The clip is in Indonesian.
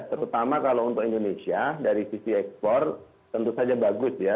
terutama kalau untuk indonesia dari sisi ekspor tentu saja bagus ya